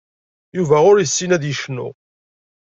Yuba ur yessin ad yecnu.